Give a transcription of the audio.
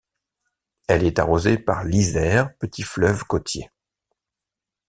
Elle est arrosée par l'Yser, petit fleuve côtier.